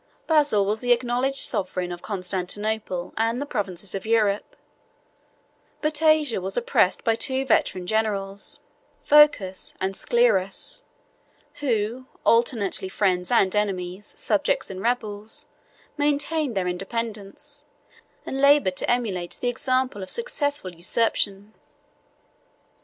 Basil was the acknowledged sovereign of Constantinople and the provinces of Europe; but Asia was oppressed by two veteran generals, Phocas and Sclerus, who, alternately friends and enemies, subjects and rebels, maintained their independence, and labored to emulate the example of successful usurpation.